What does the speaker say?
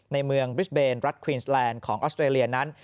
ในเมืองบริสเบนรัฐควีนสแลนด์ของออสเตรเลียนั้น